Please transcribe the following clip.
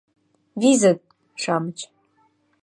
«ВИЗЫТ»-шамыч